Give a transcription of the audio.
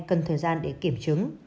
cần thời gian để kiểm chứng